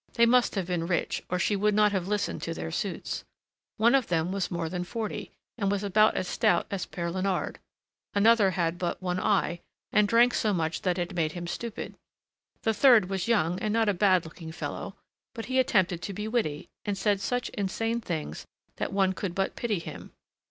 They must have been rich, or she would not have listened to their suits. One of them was more than forty, and was about as stout as Père Léonard; another had but one eye, and drank so much that it made him stupid; the third was young and not a bad looking fellow; but he attempted to be witty, and said such insane things that one could but pity him.